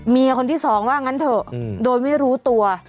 คนที่สองว่างั้นเถอะโดยไม่รู้ตัว